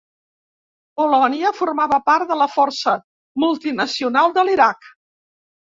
Polònia formava part de la força multinacional de l'Iraq.